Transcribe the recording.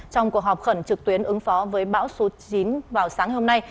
trong cuộc họp khẩn trực tuyến ứng phó với bão số chín vào sáng hôm nay